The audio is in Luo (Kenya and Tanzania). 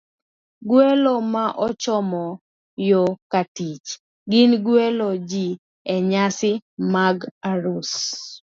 Gwelo ma ochomo yor katich gin gwelo ji e nyasi mag arus,